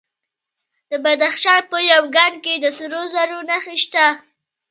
د بدخشان په یمګان کې د سرو زرو نښې شته.